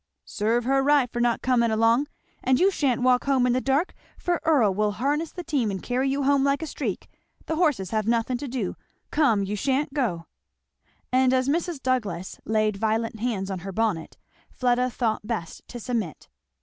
"Serve her right for not coming along! and you sha'n't walk home in the dark, for Earl will harness the team and carry you home like a streak the horses have nothing to do Come, you sha'n't go." And as Mrs. Douglass laid violent hands on her bonnet Fleda thought best to submit.